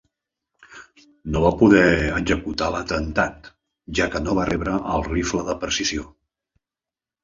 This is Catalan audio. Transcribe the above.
No va poder executar l'atemptat, ja que no va rebre el rifle de precisió.